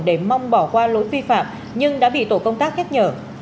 để mong bỏ qua lỗi vi phạm nhưng đã bị tổ công tác nhắc nhở